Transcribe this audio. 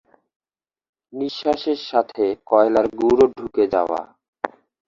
নিঃশ্বাসের সাথে কয়লার গুড়ো ঢুকে যাওয়া।